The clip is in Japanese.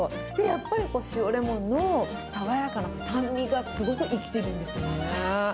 やっぱり塩レモンの爽やかな酸味がすごく生きてるんですよね。